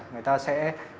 người ta sẽ